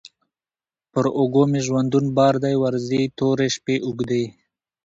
پر اوږو مي ژوندون بار دی ورځي توري، شپې اوږدې